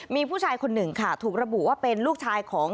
มีผู้ชายคนหนึ่งค่ะถูกระบุว่าเป็นลูกชายของ